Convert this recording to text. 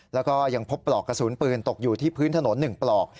แล้วก็ยังพบปลอกกระสุนปืนตกอยู่ที่พื้นถนน๑ปลอก